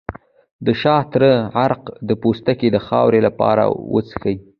د شاه تره عرق د پوستکي د خارښ لپاره وڅښئ